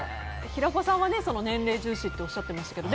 平子さんは年齢重視っておっしゃってましたけど